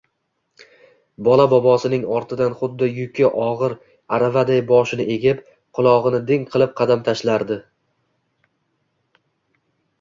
Bola bobosining ortidan xuddi yuki ogʻir aravaday boshini egib, qulogʻini ding qilib qadam tashlardi…